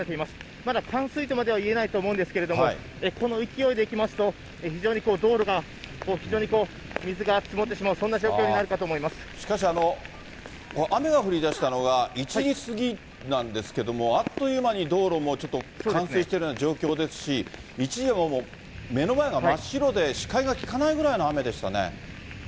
まだ冠水とまでは言えないと思うんですけど、この勢いでいきますと、非常に道路が、非常に水が積もってしまう、しかし、雨が降りだしたのが１時過ぎなんですけども、あっという間に道路もちょっと冠水しているような状況ですし、一時はもう、目の前が真っ白で、視界が利かないぐらいの雨でしたね。